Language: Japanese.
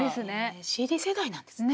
ＣＤ世代なんですね。